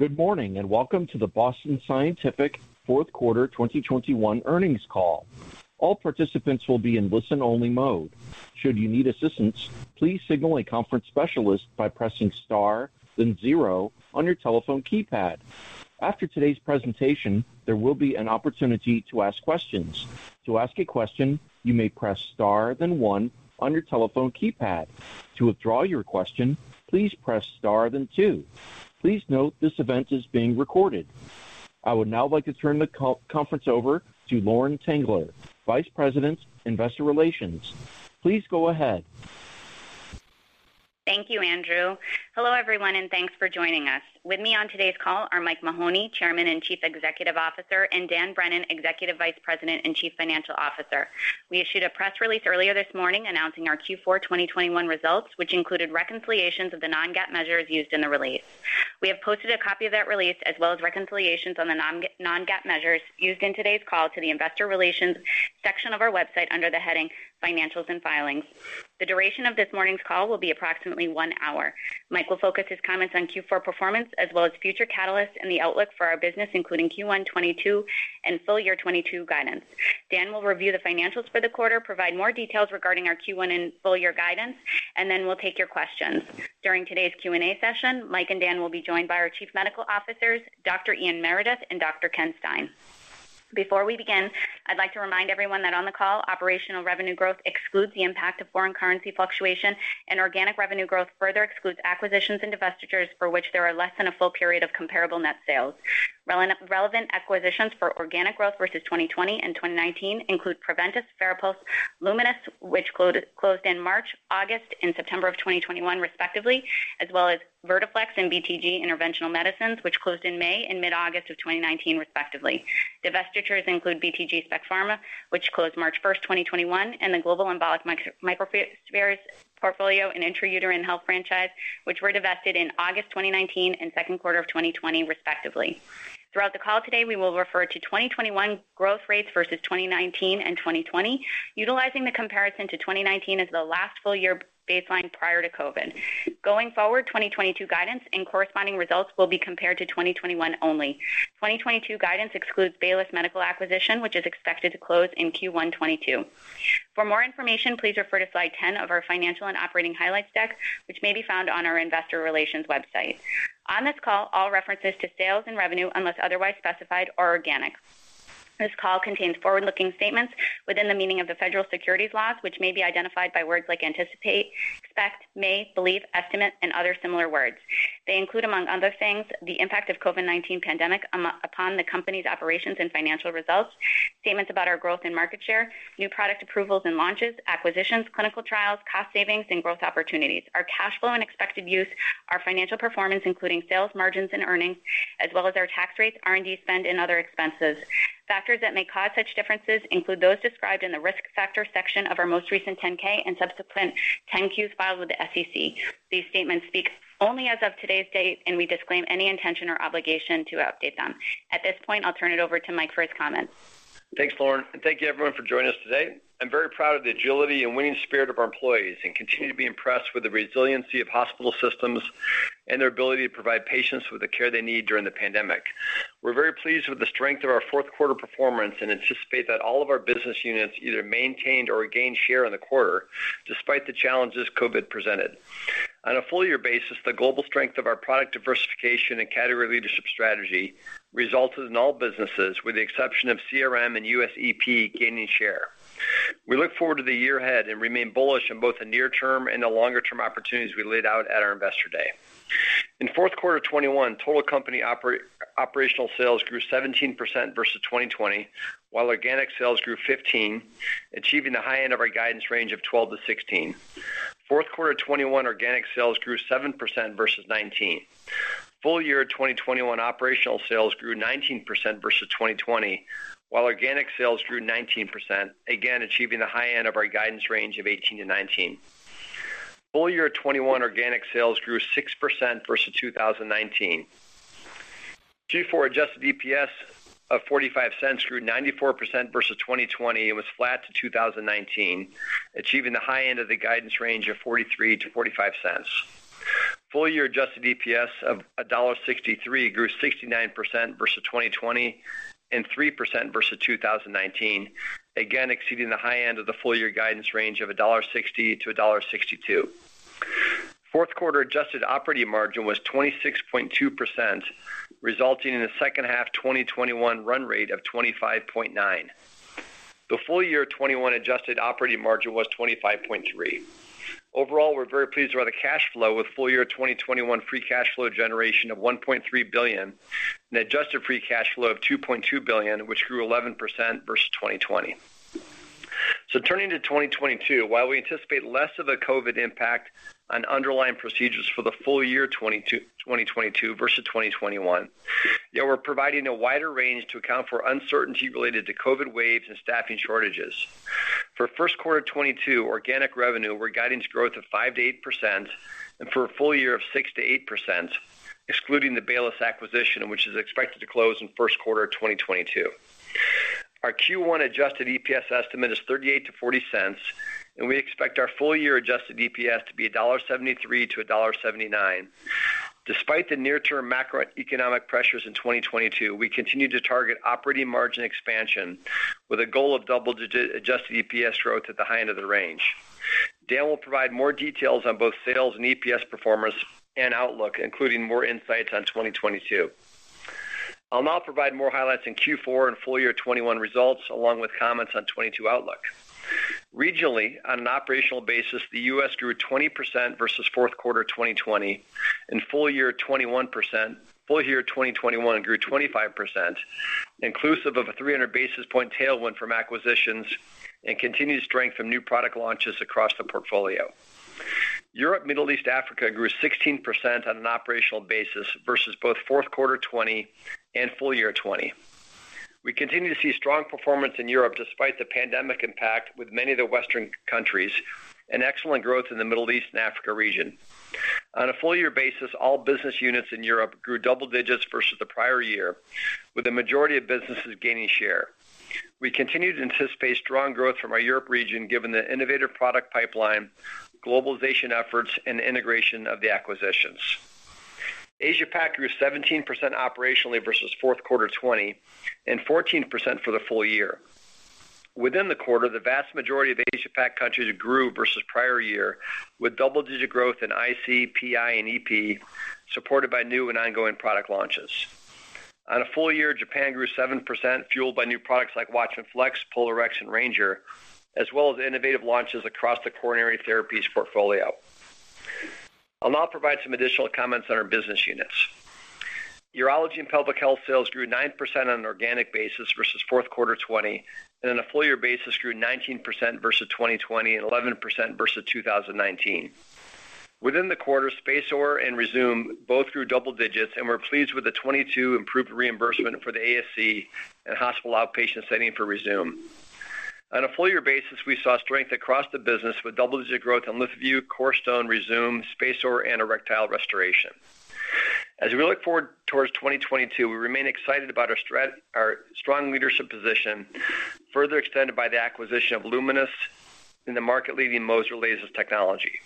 Good morning, and welcome to the Boston Scientific fourth quarter 2021 earnings call. All participants will be in listen-only mode. Should you need assistance, please signal a conference specialist by pressing Star, then zero on your telephone keypad. After today's presentation, there will be an opportunity to ask questions. To ask a question, you may press Star, then one on your telephone keypad. To withdraw your question, please press Star, then two. Please note this event is being recorded. I would now like to turn the conference over to Lauren Tengler, Vice President, Investor Relations. Please go ahead. Thank you, Andrew. Hello, everyone, and thanks for joining us. With me on today's call are Mike Mahoney, Chairman and Chief Executive Officer, and Dan Brennan, Executive Vice President and Chief Financial Officer. We issued a press release earlier this morning announcing our Q4 2021 results, which included reconciliations of the non-GAAP measures used in the release. We have posted a copy of that release, as well as reconciliations of the non-GAAP measures used in today's call to the investor relations section of our website under the heading Financials and Filings. The duration of this morning's call will be approximately one hour. Mike will focus his comments on Q4 performance as well as future catalysts and the outlook for our business, including Q1 2022 and full year 2022 guidance. Dan will review the financials for the quarter, provide more details regarding our Q1 and full year guidance, and then we'll take your questions. During today's Q&A session, Mike and Dan will be joined by our Chief Medical Officers, Dr. Ian Meredith and Dr. Ken Stein. Before we begin, I'd like to remind everyone that on the call, operational revenue growth excludes the impact of foreign currency fluctuation, and organic revenue growth further excludes acquisitions and divestitures for which there are less than a full period of comparable net sales. Relevant acquisitions for organic growth versus 2020 and 2019 include Preventice, FARAPULSE, Lumenis, which closed in March, August, and September of 2021 respectively, as well as Vertiflex and BTG Interventional Medicine, which closed in May and mid-August of 2019 respectively. Divestitures include BTG Specialty Pharmaceuticals, which closed March 1, 2021, and the global embolic microspheres portfolio and intrauterine health franchise, which were divested in August 2019 and second quarter of 2020 respectively. Throughout the call today, we will refer to 2021 growth rates versus 2019 and 2020, utilizing the comparison to 2019 as the last full year baseline prior to COVID. Going forward, 2022 guidance and corresponding results will be compared to 2021 only. 2022 guidance excludes Baylis Medical acquisition, which is expected to close in Q1 2022. For more information, please refer to slide 10 of our financial and operating highlights deck, which may be found on our investor relations website. On this call, all references to sales and revenue, unless otherwise specified, are organic. This call contains forward-looking statements within the meaning of the federal securities laws, which may be identified by words like anticipate, expect, may, believe, estimate, and other similar words. They include, among other things, the impact of COVID-19 pandemic upon the company's operations and financial results, statements about our growth and market share, new product approvals and launches, acquisitions, clinical trials, cost savings, and growth opportunities, our cash flow and expected use, our financial performance, including sales, margins, and earnings, as well as our tax rates, R&D spend, and other expenses. Factors that may cause such differences include those described in the Risk Factors section of our most recent 10-K and subsequent 10-Qs filed with the SEC. These statements speak only as of today's date, and we disclaim any intention or obligation to update them. At this point, I'll turn it over to Mike for his comments. Thanks, Lauren, and thank you everyone for joining us today. I'm very proud of the agility and winning spirit of our employees and continue to be impressed with the resiliency of hospital systems and their ability to provide patients with the care they need during the pandemic. We're very pleased with the strength of our fourth quarter performance and anticipate that all of our business units either maintained or gained share in the quarter despite the challenges COVID presented. On a full year basis, the global strength of our product diversification and category leadership strategy resulted in all businesses, with the exception of CRM and U.S. EP, gaining share. We look forward to the year ahead and remain bullish on both the near term and the longer term opportunities we laid out at our Investor Day. In fourth quarter 2021, total company operational sales grew 17% versus 2020, while organic sales grew 15%, achieving the high end of our guidance range of 12%-16%. Fourth quarter 2021 organic sales grew 7% versus 2019. Full year 2021 operational sales grew 19% versus 2020, while organic sales grew 19%, again achieving the high end of our guidance range of 18%-19%. Full year 2021 organic sales grew 6% versus 2019. Q4 adjusted EPS of $0.45 grew 94% versus 2020 and was flat to 2019, achieving the high end of the guidance range of $0.43-$0.45. Full year adjusted EPS of $1.63 grew 69% versus 2020 and 3% versus 2019, again exceeding the high end of the full year guidance range of $1.60-$1.62. Fourth quarter adjusted operating margin was 26.2%, resulting in a second half 2021 run rate of 25.9. The full year 2021 adjusted operating margin was 25.3. Overall, we're very pleased about the cash flow with full year 2021 free cash flow generation of $1.3 billion and adjusted free cash flow of $2.2 billion, which grew 11% versus 2020. Turning to 2022, while we anticipate less of a COVID impact on underlying procedures for the full year 2022 versus 2021, yet we're providing a wider range to account for uncertainty related to COVID waves and staffing shortages. For first quarter 2022 organic revenue, we're guiding growth of 5%-8% and for a full year of 6%-8%, excluding the Baylis acquisition, which is expected to close in first quarter of 2022. Our Q1 adjusted EPS estimate is $0.38-$0.40, and we expect our full year adjusted EPS to be $1.73-$1.79. Despite the near-term macroeconomic pressures in 2022, we continue to target operating margin expansion with a goal of double-digit adjusted EPS growth at the high end of the range. Dan will provide more details on both sales and EPS performance and outlook, including more insights on 2022. I'll now provide more highlights in Q4 and full year 2021 results, along with comments on 2022 outlook. Regionally, on an operational basis, the U.S. grew 20% versus fourth quarter 2020 and full year 21%. Full year 2021 grew 25%, inclusive of a 300 basis point tailwind from acquisitions and continued strength from new product launches across the portfolio. Europe, Middle East, Africa grew 16% on an operational basis versus both fourth quarter 2020 and full year 2020. We continue to see strong performance in Europe despite the pandemic impact with many of the Western countries, and excellent growth in the Middle East and Africa region. On a full year basis, all business units in Europe grew double-digits versus the prior year, with the majority of businesses gaining share. We continue to anticipate strong growth from our Europe region, given the innovative product pipeline, globalization efforts, and integration of the acquisitions. Asia Pac grew 17% operationally versus Q4 2020 and 14% for the full year. Within the quarter, the vast majority of Asia Pac countries grew versus prior year, with double-digit growth in IC, PI and EP, supported by new and ongoing product launches. On a full year, Japan grew 7%, fueled by new products like WATCHMAN FLX, POLARx, and Ranger, as well as innovative launches across the coronary therapies portfolio. I'll now provide some additional comments on our business units. Urology and pelvic health sales grew 9% on an organic basis versus Q4 2020, and on a full year basis, grew 19% versus 2020 and 11% versus 2019. Within the quarter, SpaceOAR and Rezūm both grew double digits, and we're pleased with the 2022 improved reimbursement for the ASC and hospital outpatient setting for Rezūm. On a full year basis, we saw strength across the business with double-digit growth on LithoVue, CoreStone, Rezūm, SpaceOAR, and erectile restoration. As we look forward towards 2022, we remain excited about our strong leadership position, further extended by the acquisition of Lumenis in the market-leading MOSES Laser technology.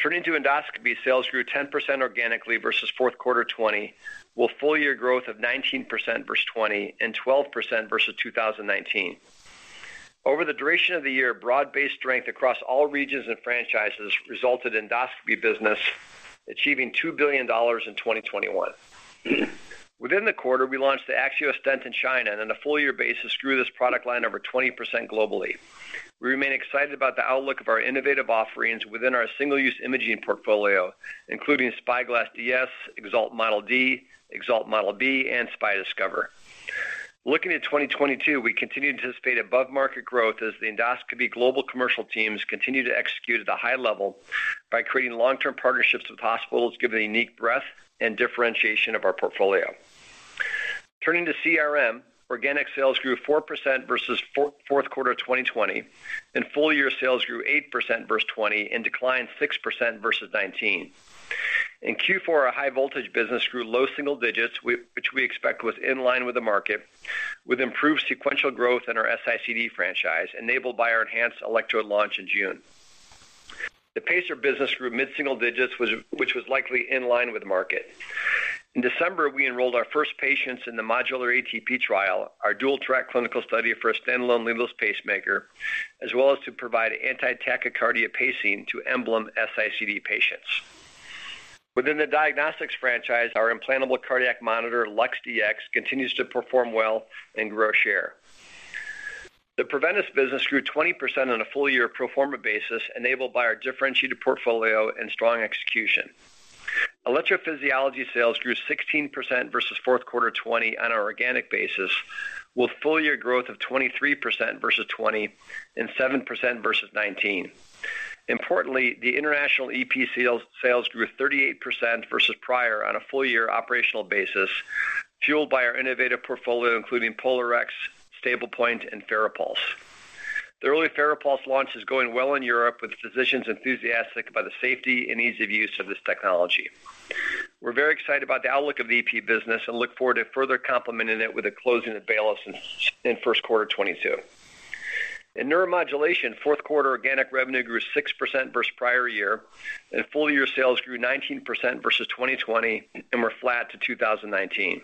Turning to endoscopy, sales grew 10% organically versus fourth quarter 2020, with full year growth of 19% versus 2020 and 12% versus 2019. Over the duration of the year, broad-based strength across all regions and franchises resulted in endoscopy business achieving $2 billion in 2021. Within the quarter, we launched the AXIOS stent in China, and on a full year basis, grew this product line over 20% globally. We remain excited about the outlook of our innovative offerings within our single-use imaging portfolio, including SpyGlass DS, EXALT Model D, EXALT Model B, and SpyDiscover. Looking at 2022, we continue to anticipate above-market growth as the endoscopy global commercial teams continue to execute at a high level by creating long-term partnerships with hospitals given the unique breadth and differentiation of our portfolio. Turning to CRM, organic sales grew 4% versus fourth quarter of 2020, and full year sales grew 8% versus 2020 and declined 6% versus 2019. In Q4, our high voltage business grew low single-digits, which we expect was in line with the market, with improved sequential growth in our S-ICD franchise, enabled by our enhanced electrode launch in June. The pacer business grew mid-single-digits, which was likely in line with the market. In December, we enrolled our first patients in the Modular ATP trial, our dual-track clinical study for a standalone leadless pacemaker, as well as to provide anti-tachycardia pacing to EMBLEM S-ICD patients. Within the diagnostics franchise, our implantable cardiac monitor, LUX-Dx, continues to perform well and grow share. The Preventice business grew 20% on a full year pro forma basis, enabled by our differentiated portfolio and strong execution. Electrophysiology sales grew 16% versus fourth quarter 2020 on an organic basis, with full year growth of 23% versus 2020 and 7% versus 2019. Importantly, the international EP sales grew 38% versus prior on a full year operational basis, fueled by our innovative portfolio, including POLARx, STABLEPOINT, and FARAPULSE. The early FARAPULSE launch is going well in Europe, with physicians enthusiastic about the safety and ease of use of this technology. We're very excited about the outlook of the EP business and look forward to further complementing it with the closing of Baylis in first quarter 2022. In neuromodulation, fourth quarter organic revenue grew 6% versus prior year, and full year sales grew 19% versus 2020 and were flat to 2019.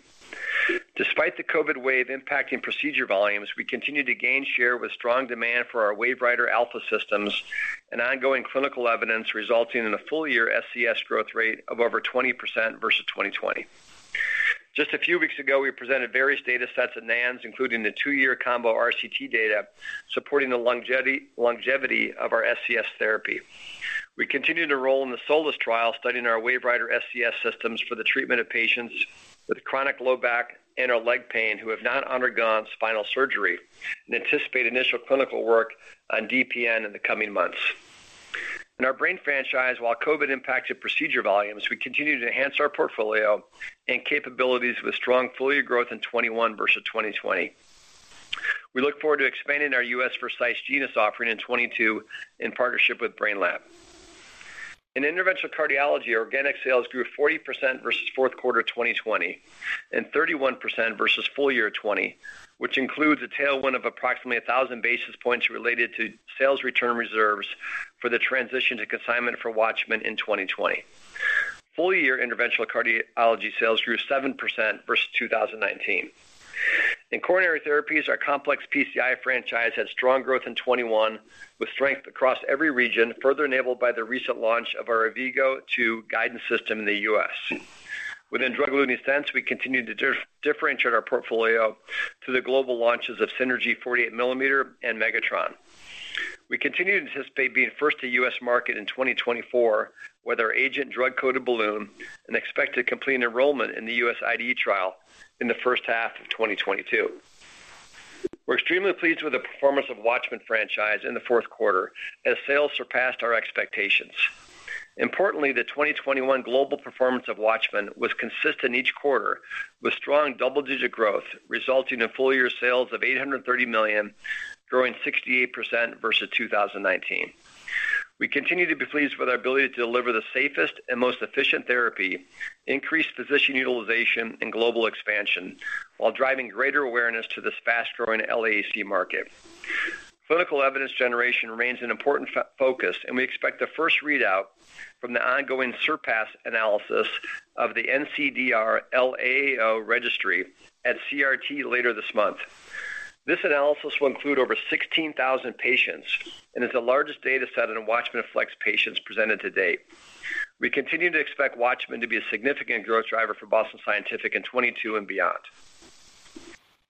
Despite the COVID wave impacting procedure volumes, we continue to gain share with strong demand for our WaveWriter Alpha systems and ongoing clinical evidence resulting in a full year SCS growth rate of over 20% versus 2020. Just a few weeks ago, we presented various data sets at NANS, including the 2-year combo RCT data supporting the longevity of our SCS therapy. We continue to roll in the SOLIS trial studying our WaveWriter SCS systems for the treatment of patients with chronic low back and/or leg pain who have not undergone spinal surgery and anticipate initial clinical work on DPN in the coming months. In our brain franchise, while COVID impacted procedure volumes, we continue to enhance our portfolio and capabilities with strong full year growth in 2021 versus 2020. We look forward to expanding our U.S. Vercise Genus offering in 2022 in partnership with Brainlab. In interventional cardiology, organic sales grew 40% versus Q4 2020 and 31% versus full year 2020, which includes a tailwind of approximately 1,000 basis points related to sales return reserves for the transition to consignment for WATCHMAN in 2020. Full year interventional cardiology sales grew 7% versus 2019. In coronary therapies, our complex PCI franchise had strong growth in 2021 with strength across every region, further enabled by the recent launch of our AVVIGO Guidance System II in the U.S. Within drug-eluting stents, we continued to differentiate our portfolio through the global launches of SYNERGY 48 millimeter and Megatron. We continue to anticipate being first to U.S. market in 2024 with our AGENT drug-coated balloon and expect to complete an enrollment in the U.S. IDE trial in the first half of 2022. We're extremely pleased with the performance of WATCHMAN franchise in the fourth quarter as sales surpassed our expectations. Importantly, the 2021 global performance of WATCHMAN was consistent each quarter with strong double-digit growth resulting in full year sales of $830 million, growing 68% versus 2019. We continue to be pleased with our ability to deliver the safest and most efficient therapy, increase physician utilization and global expansion while driving greater awareness to this fast-growing LAAC market. Clinical evidence generation remains an important focus, and we expect the first readout from the ongoing SURPASS analysis of the NCDR LAAO registry at CRT later this month. This analysis will include over 16,000 patients and is the largest data set in WATCHMAN FLX patients presented to date. We continue to expect WATCHMAN to be a significant growth driver for Boston Scientific in 2022 and beyond.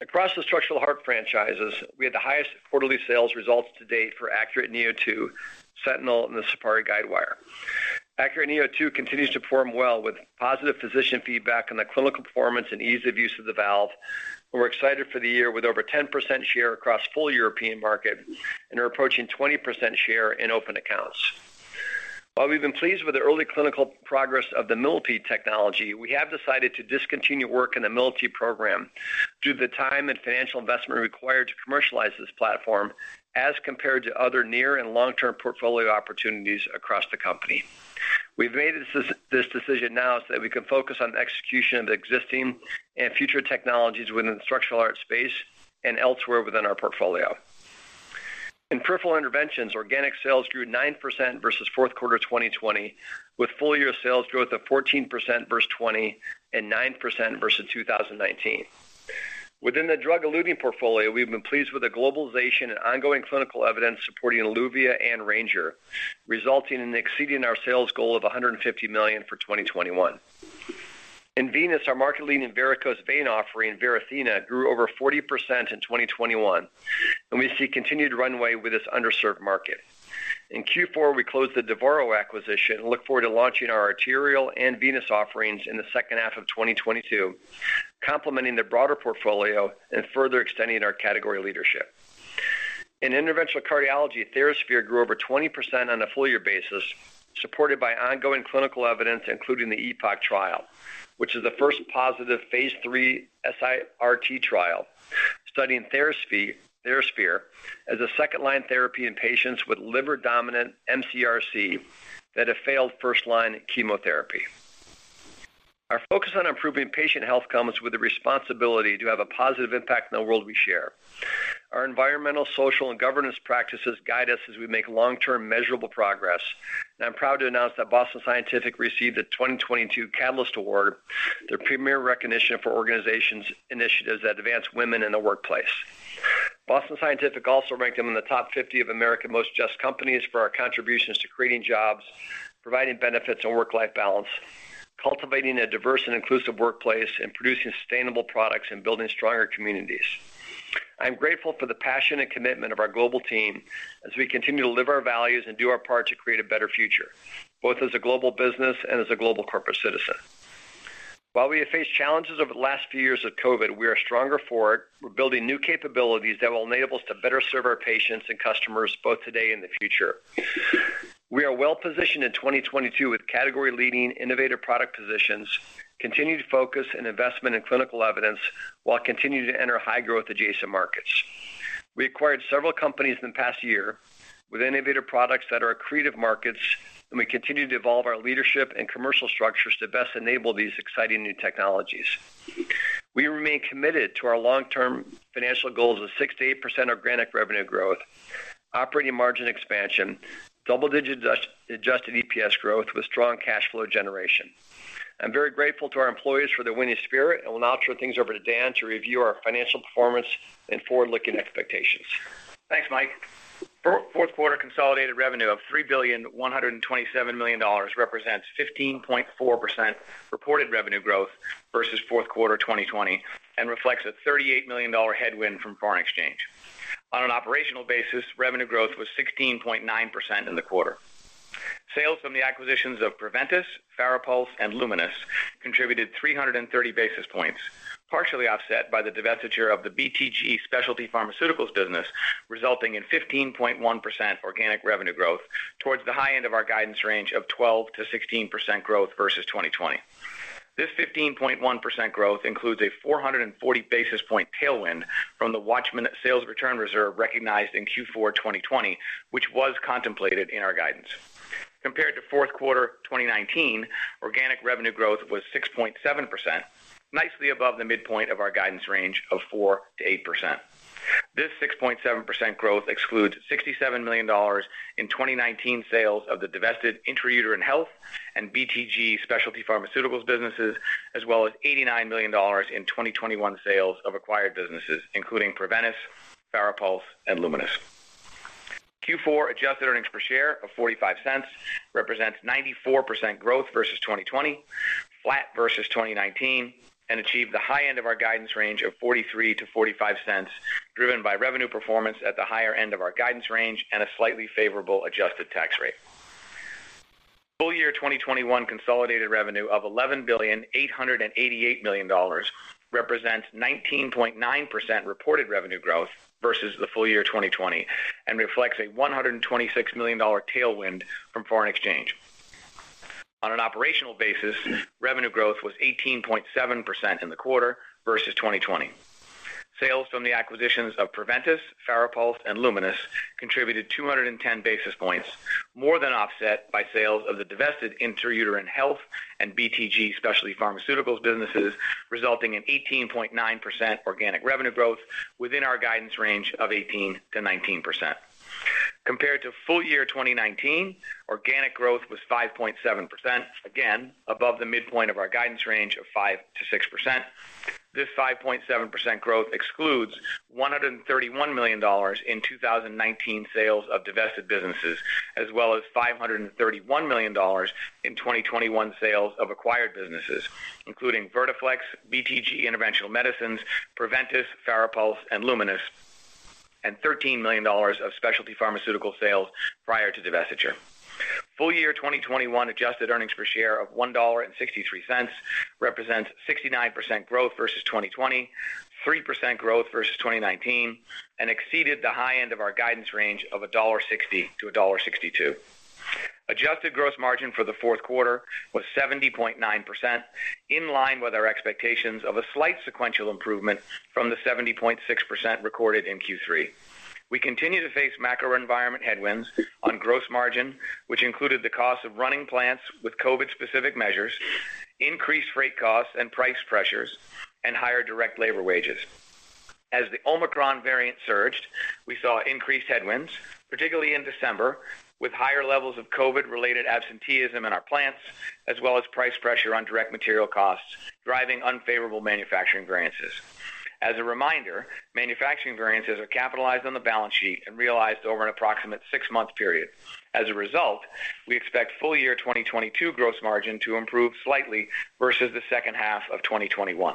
Across the structural heart franchises, we had the highest quarterly sales results to date for ACURATE neo2, SENTINEL and the Safari Guidewire. ACURATE neo2 continues to perform well with positive physician feedback on the clinical performance and ease of use of the valve, and we're excited for the year with over 10% share across full European market and are approaching 20% share in open accounts. While we've been pleased with the early clinical progress of the Millipede technology, we have decided to discontinue work in the Millipede program due to the time and financial investment required to commercialize this platform as compared to other near and long-term portfolio opportunities across the company. We've made this decision now so that we can focus on execution of the existing and future technologies within the structural heart space and elsewhere within our portfolio. In peripheral interventions, organic sales grew 9% versus fourth quarter 2020, with full year sales growth of 14% versus 2020 and 9% versus 2019. Within the drug-eluting portfolio, we've been pleased with the globalization and ongoing clinical evidence supporting Eluvia and Ranger, resulting in exceeding our sales goal of $150 million for 2021. In venous, our market-leading varicose vein offering, Varithena, grew over 40% in 2021, and we see continued runway with this underserved market. In Q4, we closed the Devoro acquisition and look forward to launching our arterial and venous offerings in the second half of 2022, complementing the broader portfolio and further extending our category leadership. In interventional cardiology, TheraSphere grew over 20% on a full year basis, supported by ongoing clinical evidence, including the EPOCH trial, which is the first positive phase III SIRT trial studying TheraSphere as a second-line therapy in patients with liver-dominant mCRC that have failed first-line chemotherapy. Our focus on improving patient health comes with the responsibility to have a positive impact on the world we share. Our environmental, social, and governance practices guide us as we make long-term measurable progress. I'm proud to announce that Boston Scientific received the 2022 Catalyst Award, the premier recognition for organization's initiatives that advance women in the workplace. Boston Scientific also ranked 10th in the top 50 of America's most just companies for our contributions to creating jobs, providing benefits and work-life balance, cultivating a diverse and inclusive workplace, and producing sustainable products and building stronger communities. I am grateful for the passion and commitment of our global team as we continue to live our values and do our part to create a better future, both as a global business and as a global corporate citizen. While we have faced challenges over the last few years of COVID, we are stronger for it. We're building new capabilities that will enable us to better serve our patients and customers both today and the future. We are well-positioned in 2022 with category-leading innovative product positions, continued focus and investment in clinical evidence, while continuing to enter high-growth adjacent markets. We acquired several companies in the past year with innovative products that are accretive markets, and we continue to evolve our leadership and commercial structures to best enable these exciting new technologies. We remain committed to our long-term financial goals of 6% to 8% organic revenue growth, operating margin expansion, double-digit adjusted EPS growth with strong cash flow generation. I'm very grateful to our employees for their winning spirit, and will now turn things over to Dan to review our financial performance and forward-looking expectations. Thanks, Mike. Fourth quarter consolidated revenue of $3.127 billion represents 15.4% reported revenue growth versus fourth quarter 2020 and reflects a $38 million headwind from foreign exchange. On an operational basis, revenue growth was 16.9% in the quarter. Sales from the acquisitions of Preventice, FARAPULSE, and Lumenis contributed 330 basis points, partially offset by the divestiture of the BTG Specialty Pharmaceuticals business, resulting in 15.1% organic revenue growth towards the high end of our guidance range of 12%-16% growth versus 2020. This 15.1% growth includes a 440 basis point tailwind from the Watchman sales return reserve recognized in Q4 2020, which was contemplated in our guidance. Compared to Q4 2019, organic revenue growth was 6.7%, nicely above the midpoint of our guidance range of 4%-8%. This 6.7% growth excludes $67 million in 2019 sales of the divested intrauterine health and BTG Specialty Pharmaceuticals businesses, as well as $89 million in 2021 sales of acquired businesses, including Preventice, FARAPULSE, and Lumenis. Q4 adjusted earnings per share of $0.45 represents 94% growth versus 2020, flat versus 2019, and achieved the high end of our guidance range of $0.43-$0.45, driven by revenue performance at the higher end of our guidance range and a slightly favorable adjusted tax rate. Full year 2021 consolidated revenue of $11.888 billion represents 19.9% reported revenue growth versus the full year 2020 and reflects a $126 million tailwind from foreign exchange. On an operational basis, revenue growth was 18.7% in the quarter versus 2020. Sales from the acquisitions of Preventice, FARAPULSE, and Lumenis contributed 210 basis points more than offset by sales of the divested intrauterine health and BTG Specialty Pharmaceuticals businesses, resulting in 18.9% organic revenue growth within our guidance range of 18%-19%. Compared to full year 2019, organic growth was 5.7%, again above the midpoint of our guidance range of 5%-6%. This 5.7% growth excludes $131 million in 2019 sales of divested businesses, as well as $531 million in 2021 sales of acquired businesses, including Vertiflex, BTG Interventional Medicine, Preventice, FARAPULSE, and Lumenis, and $13 million of specialty pharmaceutical sales prior to divestiture. Full year 2021 adjusted earnings per share of $1.63 represents 69% growth versus 2020, 3% growth versus 2019, and exceeded the high end of our guidance range of $1.60-$1.62. Adjusted gross margin for the fourth quarter was 70.9%, in line with our expectations of a slight sequential improvement from the 70.6% recorded in Q3. We continue to face macro environment headwinds on gross margin, which included the cost of running plants with COVID-specific measures, increased freight costs and price pressures, and higher direct labor wages. As the Omicron variant surged, we saw increased headwinds, particularly in December, with higher levels of COVID-related absenteeism in our plants, as well as price pressure on direct material costs, driving unfavorable manufacturing variances. As a reminder, manufacturing variances are capitalized on the balance sheet and realized over an approximate 6-month period. As a result, we expect full year 2022 gross margin to improve slightly versus the second half of 2021.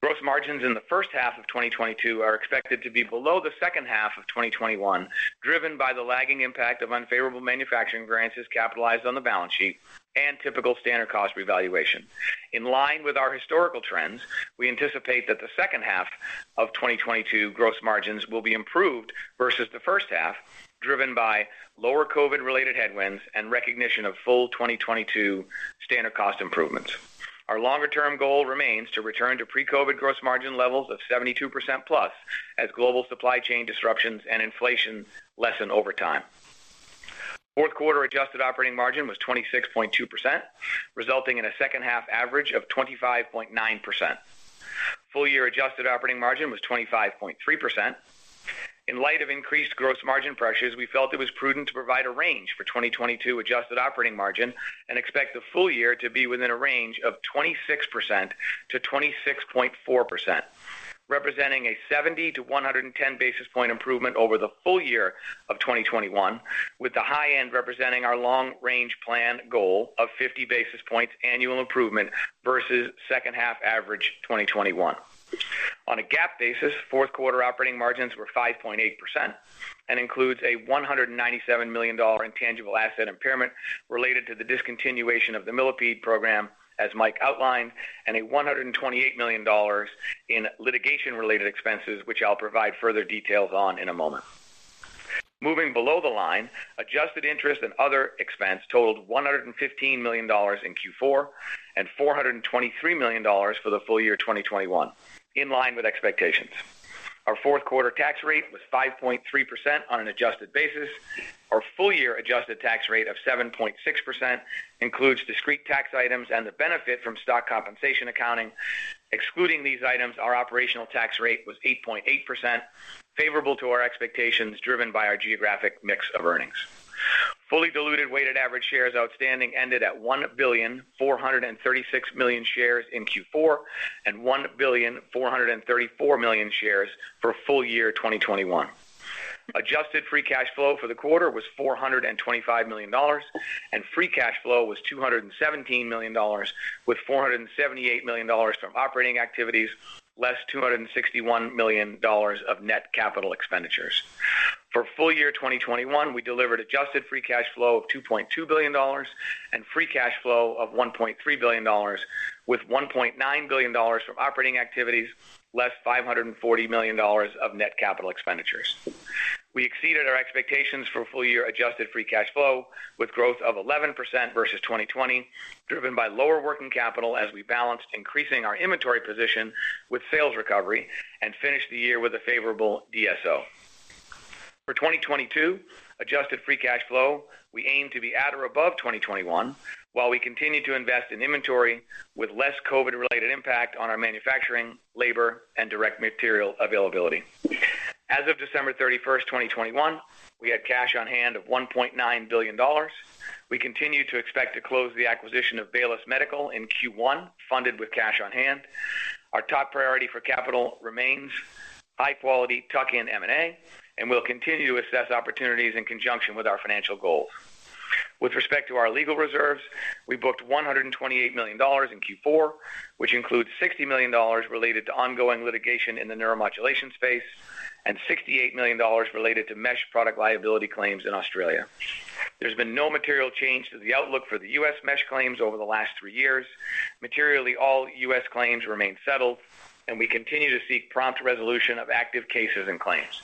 Gross margins in the first half of 2022 are expected to be below the second half of 2021, driven by the lagging impact of unfavorable manufacturing variances capitalized on the balance sheet and typical standard cost revaluation. In line with our historical trends, we anticipate that the second half of 2022 gross margins will be improved versus the first half, driven by lower COVID-related headwinds and recognition of full 2022 standard cost improvements. Our longer-term goal remains to return to pre-COVID gross margin levels of 72%+ as global supply chain disruptions and inflation lessen over time. Fourth quarter adjusted operating margin was 26.2%, resulting in a second half average of 25.9%. Full year adjusted operating margin was 25.3%. In light of increased gross margin pressures, we felt it was prudent to provide a range for 2022 adjusted operating margin and expect the full year to be within a range of 26%-26.4%, representing a 70-110 basis point improvement over the full year of 2021, with the high end representing our long-range plan goal of 50 basis points annual improvement versus second half average 2021. On a GAAP basis, fourth quarter operating margins were 5.8% and includes a $197 million intangible asset impairment related to the discontinuation of the Millipede program, as Mike outlined, and a $128 million in litigation-related expenses, which I'll provide further details on in a moment. Moving below the line, adjusted interest and other expense totaled $115 million in Q4 and $423 million for the full year 2021, in line with expectations. Our fourth quarter tax rate was 5.3% on an adjusted basis. Our full year adjusted tax rate of 7.6% includes discrete tax items and the benefit from stock compensation accounting. Excluding these items, our operational tax rate was 8.8%, favorable to our expectations driven by our geographic mix of earnings. Fully diluted weighted average shares outstanding ended at 1,436 million shares in Q4 and 1,434 million shares for full year 2021. Adjusted free cash flow for the quarter was $425 million, and free cash flow was $217 million, with $478 million from operating activities, less $261 million of net capital expenditures. For full year 2021, we delivered adjusted free cash flow of $2.2 billion and free cash flow of $1.3 billion, with $1.9 billion from operating activities, less $540 million of net capital expenditures. We exceeded our expectations for full year adjusted free cash flow with growth of 11% versus 2020, driven by lower working capital as we balanced increasing our inventory position with sales recovery and finished the year with a favorable DSO. For 2022 adjusted free cash flow, we aim to be at or above 2021 while we continue to invest in inventory with less COVID related impact on our manufacturing, labor, and direct material availability. As of December 31, 2021, we had cash on hand of $1.9 billion. We continue to expect to close the acquisition of Baylis Medical in Q1 funded with cash on hand. Our top priority for capital remains high quality tuck-in M&A, and we'll continue to assess opportunities in conjunction with our financial goals. With respect to our legal reserves, we booked $128 million in Q4, which includes $60 million related to ongoing litigation in the neuromodulation space, and $68 million related to mesh product liability claims in Australia. There's been no material change to the outlook for the U.S. mesh claims over the last three years. Materially, all U.S. claims remain settled, and we continue to seek prompt resolution of active cases and claims.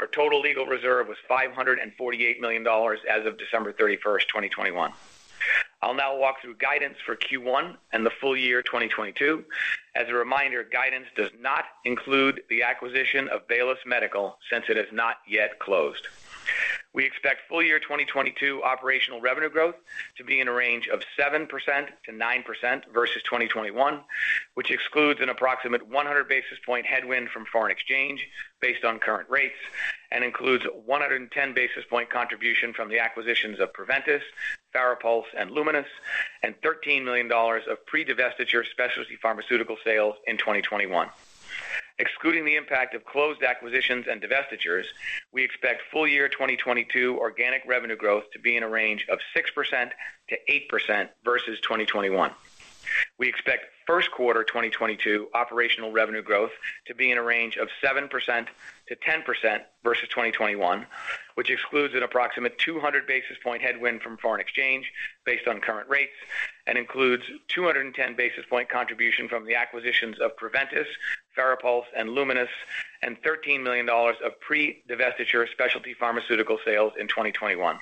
Our total legal reserve was $548 million as of December 31, 2021. I'll now walk through guidance for Q1 and the full year 2022. As a reminder, guidance does not include the acquisition of Baylis Medical since it has not yet closed. We expect full year 2022 operational revenue growth to be in a range of 7%-9% versus 2021, which excludes an approximate 100 basis point headwind from foreign exchange based on current rates, and includes 110 basis point contribution from the acquisitions of Preventice, FARAPULSE, and Lumenis, and $13 million of pre-divestiture specialty pharmaceutical sales in 2021. Excluding the impact of closed acquisitions and divestitures, we expect full year 2022 organic revenue growth to be in a range of 6%-8% versus 2021. We expect first quarter 2022 operational revenue growth to be in a range of 7%-10% versus 2021, which excludes an approximate 200 basis points headwind from foreign exchange based on current rates, and includes 210 basis points contribution from the acquisitions of Preventice, FARAPULSE, and Lumenis, and $13 million of pre-divestiture specialty pharmaceutical sales in 2021.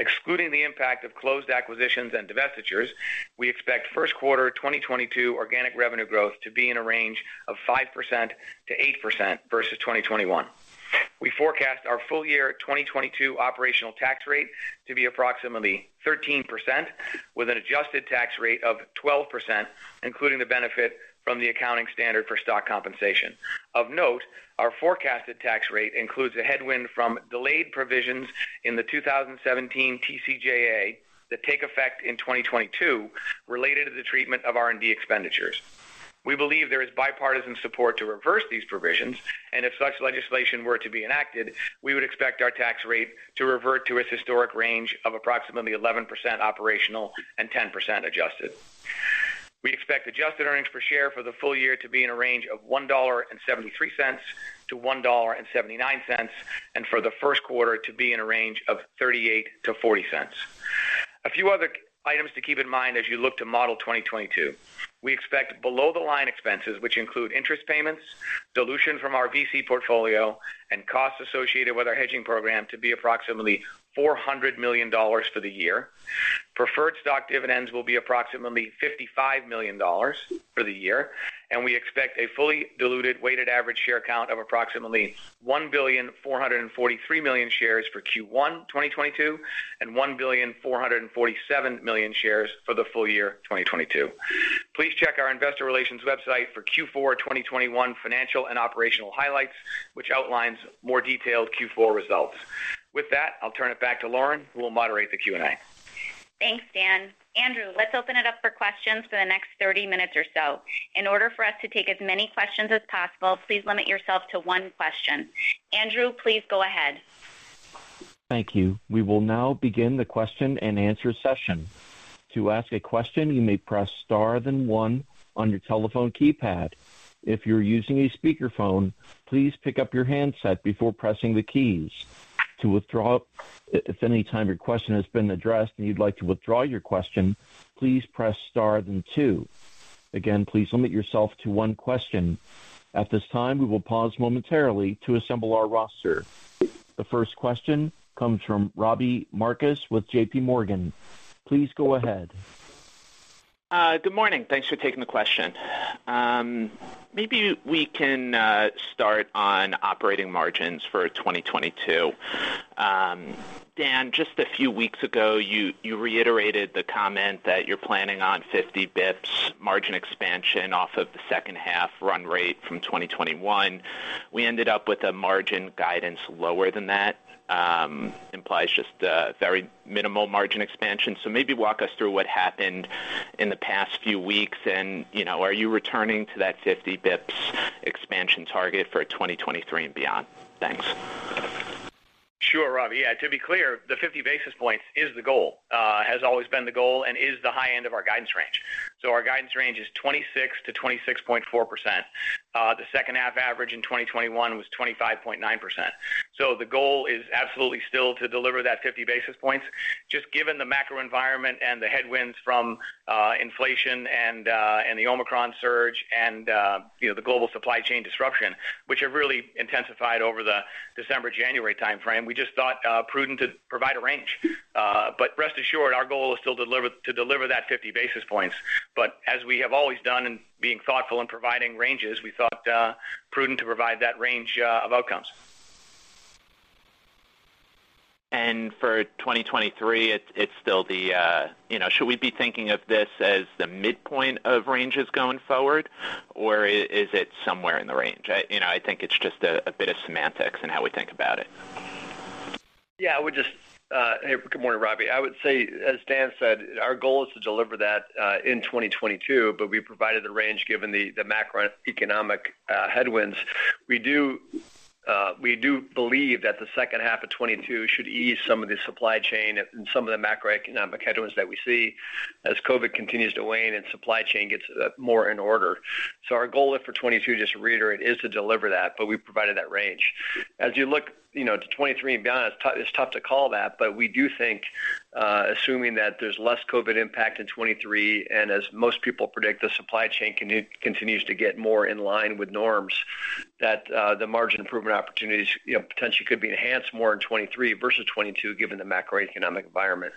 Excluding the impact of closed acquisitions and divestitures, we expect first quarter 2022 organic revenue growth to be in a range of 5%-8% versus 2021. We forecast our full year 2022 operational tax rate to be approximately 13%, with an adjusted tax rate of 12%, including the benefit from the accounting standard for stock compensation. Of note, our forecasted tax rate includes a headwind from delayed provisions in the 2017 TCJA that take effect in 2022 related to the treatment of R&D expenditures. We believe there is bipartisan support to reverse these provisions, and if such legislation were to be enacted, we would expect our tax rate to revert to its historic range of approximately 11% operational and 10% adjusted. We expect adjusted earnings per share for the full year to be in a range of $1.73-$1.79, and for the first quarter to be in a range of $0.38-$0.40. A few other items to keep in mind as you look to model 2022. We expect below the line expenses, which include interest payments, dilution from our VC portfolio, and costs associated with our hedging program to be approximately $400 million for the year. Preferred stock dividends will be approximately $55 million for the year, and we expect a fully diluted weighted average share count of approximately 1,443 million shares for Q1 2022, and 1,447 million shares for the full year 2022. Please check our investor relations website for Q4 2021 financial and operational highlights, which outlines more detailed Q4 results. With that, I'll turn it back to Lauren, who will moderate the Q&A. Thanks, Dan. Andrew, let's open it up for questions for the next 30 minutes or so. In order for us to take as many questions as possible, please limit yourself to one question. Andrew, please go ahead. Thank you. We will now begin the question-and-answer session. To ask a question, you may press star then one on your telephone keypad. If you're using a speakerphone, please pick up your handset before pressing the keys. To withdraw, if at any time your question has been addressed and you'd like to withdraw your question, please press star then two. Again, please limit yourself to one question. At this time, we will pause momentarily to assemble our roster. The first question comes from Robbie Marcus with JPMorgan. Please go ahead. Good morning. Thanks for taking the question. Maybe we can start on operating margins for 2022. Dan, just a few weeks ago, you reiterated the comment that you're planning on 50 bps margin expansion off of the second half run rate from 2021. We ended up with a margin guidance lower than that implies just a very minimal margin expansion. Maybe walk us through what happened in the past few weeks and, you know, are you returning to that 50 bps expansion target for 2023 and beyond? Thanks. Sure, Robbie. Yeah, to be clear, the 50 basis points is the goal. It has always been the goal and is the high end of our guidance range. Our guidance range is 26-26.4%. The second half average in 2021 was 25.9%. The goal is absolutely still to deliver that 50 basis points. Just given the macro environment and the headwinds from inflation and the Omicron surge and, you know, the global supply chain disruption, which have really intensified over the December-January timeframe, we just thought prudent to provide a range. Rest assured our goal is still to deliver that 50 basis points. As we have always done in being thoughtful in providing ranges, we thought prudent to provide that range of outcomes. For 2023, it's still the. You know, should we be thinking of this as the midpoint of ranges going forward, or is it somewhere in the range? You know, I think it's just a bit of semantics in how we think about it. Yeah. I would just, Hey, good morning, Robbie. I would say, as Dan said, our goal is to deliver that in 2022, but we provided the range given the macroeconomic headwinds. We do believe that the second half of 2022 should ease some of the supply chain and some of the macroeconomic headwinds that we see as COVID continues to wane and supply chain gets more in order. Our goal is for 2022, just to reiterate, is to deliver that, but we provided that range. As you look, you know, to 2023 and beyond, it's tough to call that. We do think, assuming that there's less COVID impact in 2023, and as most people predict, the supply chain continues to get more in line with norms, that the margin improvement opportunities, you know, potentially could be enhanced more in 2023 versus 2022, given the macroeconomic environment.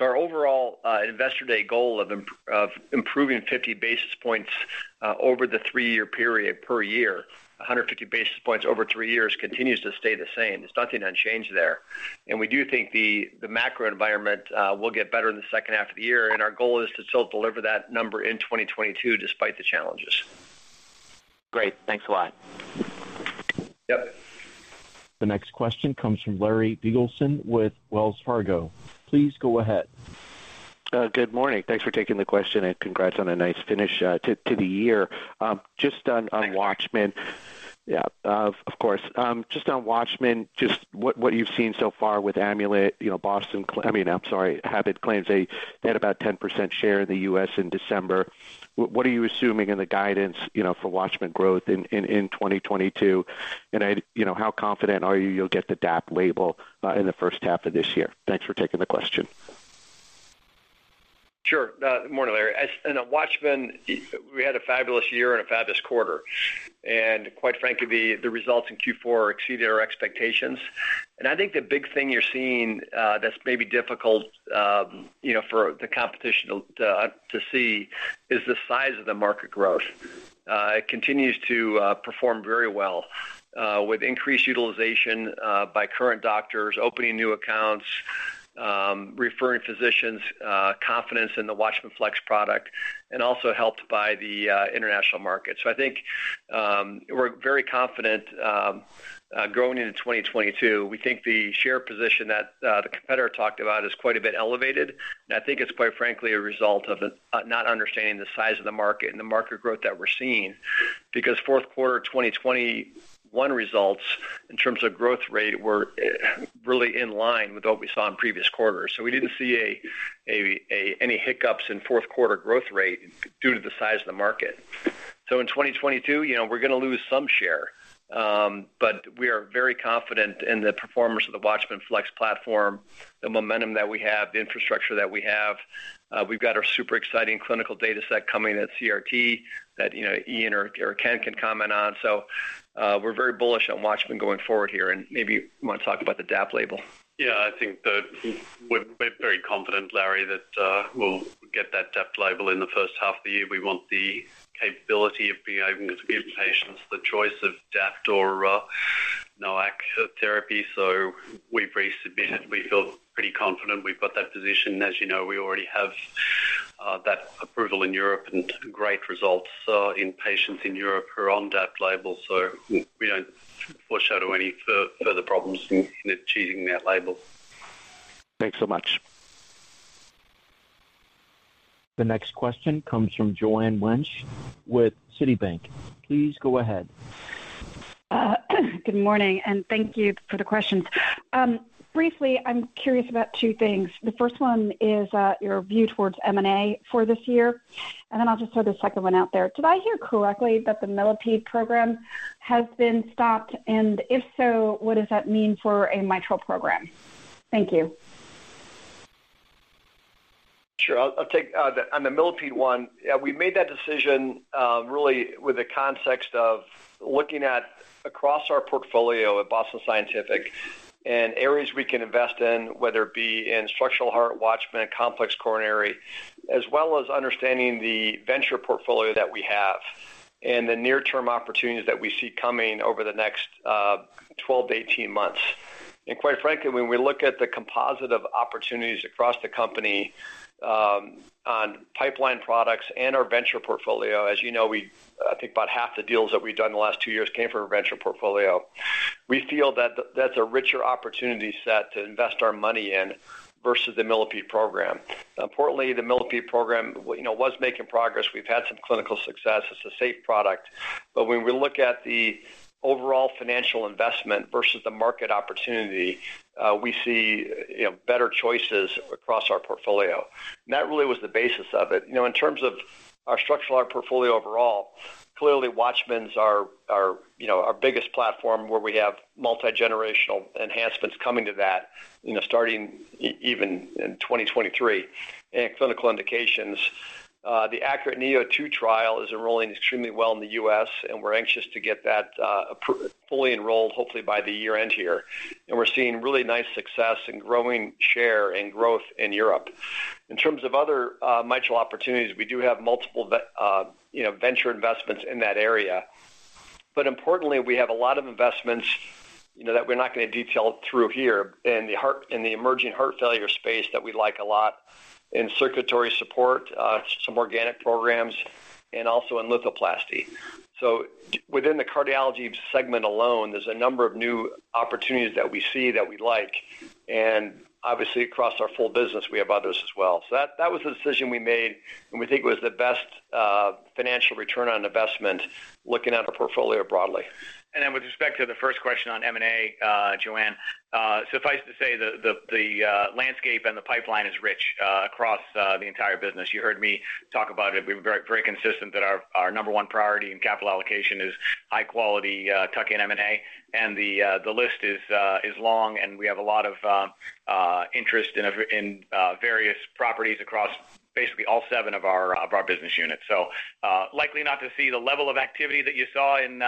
Our overall Investor Day goal of improving 50 basis points over the three-year period per year, 150 basis points over three years continues to stay the same. There's nothing to change there. We do think the macro environment will get better in the second half of the year, and our goal is to still deliver that number in 2022 despite the challenges. Great. Thanks a lot. Yep. The next question comes from Larry Biegelsen with Wells Fargo. Please go ahead. Good morning. Thanks for taking the question, and congrats on a nice finish to the year. Just on WATCHMAN, what you've seen so far with Amulet, you know, I mean, I'm sorry, Abbott claims. They had about 10% share in the U.S. in December. What are you assuming in the guidance, you know, for Watchman growth in 2022? You know, how confident are you you'll get the DAPT label in the first half of this year? Thanks for taking the question. Sure. Good morning, Larry. In WATCHMAN, we had a fabulous year and a fabulous quarter. Quite frankly, the results in Q4 exceeded our expectations. I think the big thing you're seeing that's maybe difficult, you know, for the competition to see is the size of the market growth. It continues to perform very well with increased utilization by current doctors opening new accounts, referring physicians, confidence in the WATCHMAN FLX product, and also helped by the international market. I think we're very confident going into 2022. We think the share position that the competitor talked about is quite a bit elevated, and I think it's quite frankly a result of not understanding the size of the market and the market growth that we're seeing. Because fourth quarter of 2021 results in terms of growth rate were really in line with what we saw in previous quarters. We didn't see any hiccups in fourth quarter growth rate due to the size of the market. In 2022, you know, we're gonna lose some share. We are very confident in the performance of the WATCHMAN FLX platform, the momentum that we have, the infrastructure that we have. We've got our super exciting clinical data set coming at CRT that, you know, Ian or Ken can comment on. We're very bullish on WATCHMAN going forward here, and maybe you want to talk about the DAPT label. Yeah. I think that we're very confident, Larry, that we'll get that DAPT label in the first half of the year. We want the capability of being able to give patients the choice of DAPT or NOAC therapy. We've resubmitted. We feel pretty confident we've got that position. As you know, we already have that approval in Europe and great results in patients in Europe who are on DAPT label, so we don't foreshadow any further problems in achieving that label. Thanks so much. The next question comes from Joanne Wuensch with Citibank. Please go ahead. Good morning, and thank you for the questions. Briefly, I'm curious about two things. The first one is, your view towards M&A for this year, and then I'll just throw the second one out there. Did I hear correctly that the Millipede program has been stopped? And if so, what does that mean for a mitral program? Thank you. Sure. I'll take on the Millipede one, we made that decision really with the context of looking across our portfolio at Boston Scientific and areas we can invest in, whether it be in structural heart, Watchman, complex coronary, as well as understanding the venture portfolio that we have and the near-term opportunities that we see coming over the next 12-18 months. Quite frankly, when we look at the composite of opportunities across the company, on pipeline products and our venture portfolio, as you know, I think about half the deals that we've done in the last two years came from our venture portfolio. We feel that's a richer opportunity set to invest our money in versus the Millipede program. Importantly, the Millipede program, you know, was making progress. We've had some clinical success. It's a safe product. When we look at the overall financial investment versus the market opportunity, we see, you know, better choices across our portfolio. That really was the basis of it. You know, in terms of our structural heart portfolio overall, clearly, WATCHMAN’s our, you know, our biggest platform where we have multi-generational enhancements coming to that, you know, starting even in 2023 in clinical indications. The ACURATE neo2 trial is enrolling extremely well in the U.S., and we're anxious to get that fully enrolled, hopefully by the year-end here. We're seeing really nice success in growing share and growth in Europe. In terms of other mitral opportunities, we do have multiple venture investments in that area. Importantly, we have a lot of investments, you know, that we're not gonna detail through here in the emerging heart failure space that we like a lot in circulatory support, some organic programs, and also in lithotripsy. Within the cardiology segment alone, there's a number of new opportunities that we see that we like. Obviously, across our full business we have others as well. That was the decision we made, and we think it was the best financial return on investment looking at our portfolio broadly. With respect to the first question on M&A, Joanne, suffice to say the landscape and the pipeline is rich across the entire business. You heard me talk about it. We're very consistent that our number one priority in capital allocation is high quality tuck-in M&A. The list is long, and we have a lot of interest in various properties across basically all seven of our business units. Likely not to see the level of activity that you saw in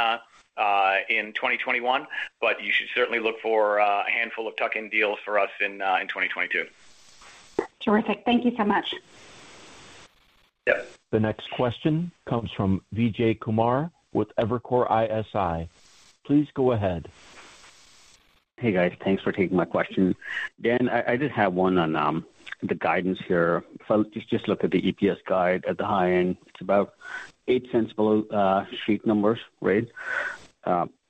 2021, but you should certainly look for a handful of tuck-in deals for us in 2022. Terrific. Thank you so much. Yep. The next question comes from Vijay Kumar with Evercore ISI. Please go ahead. Hey, guys. Thanks for taking my question. Dan, I just have one on the guidance here. So just look at the EPS guide at the high end. It's about $0.08 below street numbers, right?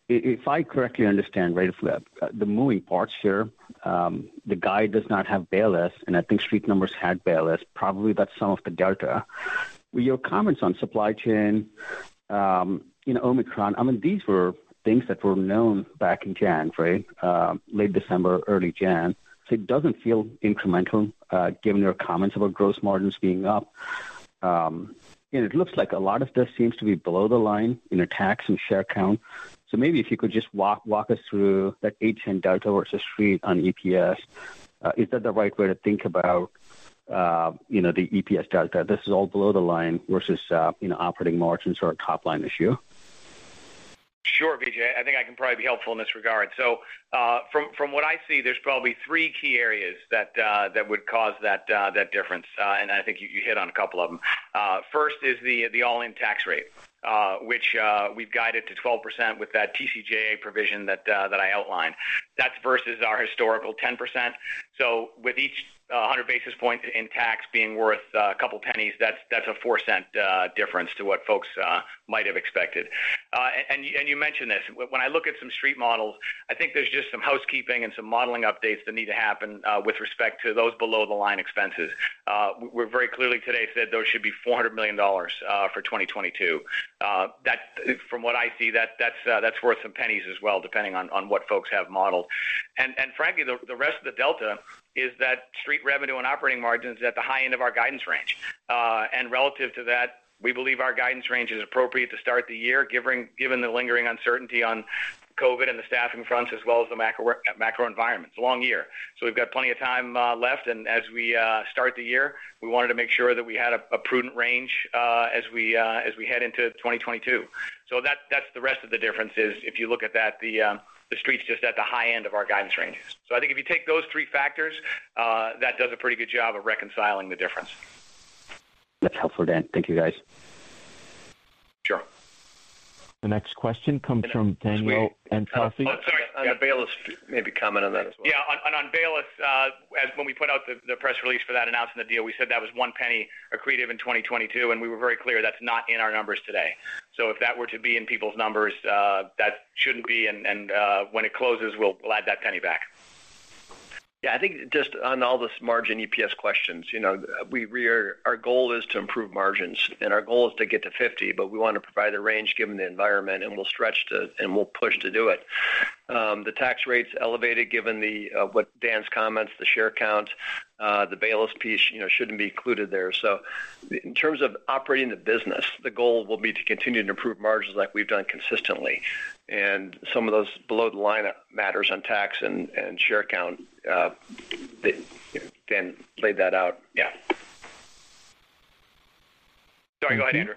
If I correctly understand, right, if the moving parts here, the guide does not have Baylis, and I think street numbers had Baylis. Probably that's some of the delta. With your comments on supply chain, you know, Omicron, I mean, these were things that were known back in January, right? Late December, early January. So it doesn't feel incremental, given your comments about gross margins being up. It looks like a lot of this seems to be below the line in the tax and share count. So maybe if you could just walk us through that $0.08 delta versus street on EPS. Is that the right way to think about, you know, the EPS delta? This is all below the line versus, you know, operating margins or a top-line issue. Sure, Vijay. I think I can probably be helpful in this regard. From what I see, there's probably three key areas that would cause that difference, and I think you hit on a couple of them. First is the all-in tax rate, which we've guided to 12% with that TCJA provision that I outlined. That's versus our historical 10%. With each a hundred basis points in tax being worth a couple pennies, that's a four-cent difference to what folks might have expected. You mentioned this. When I look at some street models, I think there's just some housekeeping and some modeling updates that need to happen with respect to those below-the-line expenses. We very clearly today said those should be $400 million for 2022. From what I see, that's worth some pennies as well, depending on what folks have modeled. Frankly, the rest of the delta is that street revenue and operating margins at the high end of our guidance range. Relative to that, we believe our guidance range is appropriate to start the year, given the lingering uncertainty on COVID and the staffing fronts as well as the macro environment. It's a long year. We've got plenty of time left, and as we start the year, we wanted to make sure that we had a prudent range as we head into 2022. That's the rest of the difference if you look at that. The street's just at the high end of our guidance ranges. I think if you take those three factors, that does a pretty good job of reconciling the difference. That's helpful, Dan. Thank you, guys. Sure. The next question comes from Danielle Antalffy. Sorry. On Baylis, maybe comment on that as well. Yeah. On Baylis, as when we put out the press release for that announcing the deal, we said that was $0.01 accretive in 2022, and we were very clear that's not in our numbers today. If that were to be in people's numbers, that shouldn't be, and when it closes, we'll add that $0.01 back. Yeah. I think just on all this margin EPS questions, you know, our goal is to improve margins, and our goal is to get to 50%, but we wanna provide a range given the environment, and we'll stretch to and we'll push to do it. The tax rate's elevated given what Dan's comments, the share count, the Baylis piece, you know, shouldn't be included there. In terms of operating the business, the goal will be to continue to improve margins like we've done consistently. Some of those below-the-line items matter on tax and share count, Dan laid that out. Yeah. Sorry, go ahead, Andrew.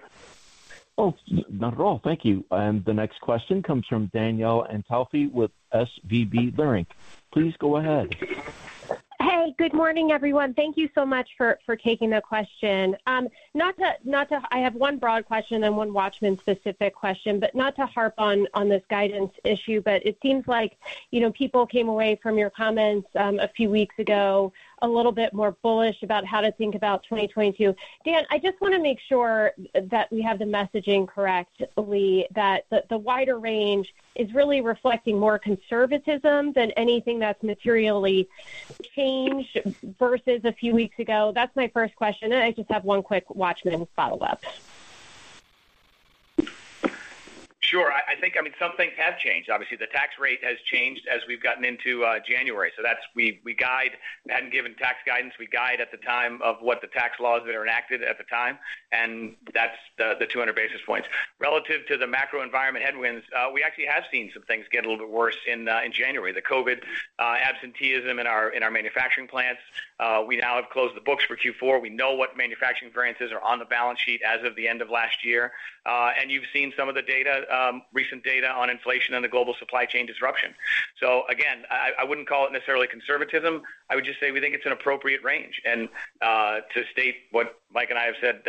Oh, not at all. Thank you. The next question comes from Danielle Antalffy with SVB Leerink. Please go ahead. Hey, good morning, everyone. Thank you so much for taking the question. I have one broad question and one WATCHMAN specific question, but not to harp on this guidance issue, but it seems like, you know, people came away from your comments a few weeks ago a little bit more bullish about how to think about 2022. Dan, I just wanna make sure that we have the messaging correctly that the wider range is really reflecting more conservatism than anything that's materially changed versus a few weeks ago. That's my first question, and I just have one quick WATCHMAN follow-up. Sure. I think, I mean, some things have changed. Obviously, the tax rate has changed as we've gotten into January. So that's, we hadn't given tax guidance. We guide at the time of what the tax laws that are enacted at the time, and that's the 200 basis points. Relative to the macro environment headwinds, we actually have seen some things get a little bit worse in January, the COVID absenteeism in our manufacturing plants. We now have closed the books for Q4. We know what manufacturing variances are on the balance sheet as of the end of last year. You've seen some of the data, recent data on inflation and the global supply chain disruption. So again, I wouldn't call it necessarily conservatism. I would just say we think it's an appropriate range. To state what Mike and I have said,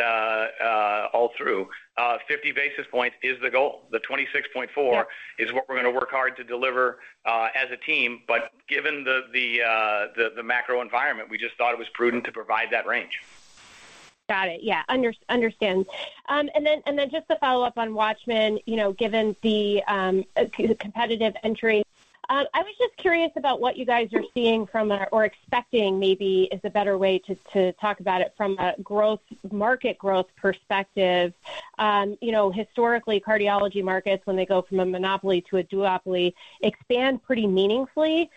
50 basis points is the goal. The 26.4% is what we're gonna work hard to deliver, as a team. Given the macro environment, we just thought it was prudent to provide that range. Got it. Yeah. Understand. Just to follow up on WATCHMAN, you know, given the competitive entry, I was just curious about what you guys are seeing from or expecting maybe is a better way to talk about it from a market growth perspective. You know, historically, cardiology markets when they go from a monopoly to a duopoly expand pretty meaningfully.